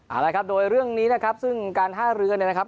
เอาละครับโดยเรื่องนี้นะครับซึ่งการท่าเรือเนี่ยนะครับ